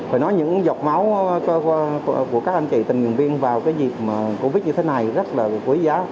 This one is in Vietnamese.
phải nói những giọt máu của các anh chị tình nguyện viên vào cái dịp covid như thế này rất là quý giá